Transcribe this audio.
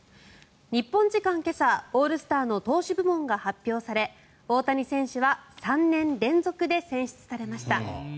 日本時間今朝、オールスターの投手部門が発表され大谷選手は３年連続で選出されました。